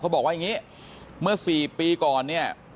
บอกว่าอย่างนี้เมื่อ๔ปีก่อนเนี่ย